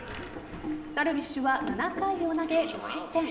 ダルビッシュは７回を投げ無失点。